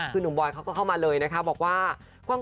คือหนุ่มบอยเขาก็เข้ามาเลยนะคะบอกว่า